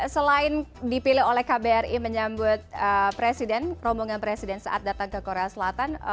selain dipilih oleh kbri menyambut presiden rombongan presiden saat datang ke korea selatan